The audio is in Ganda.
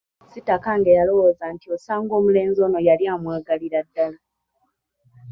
Sitakange yalowooza nti osanga omulenzi ono yali amwagalira ddala.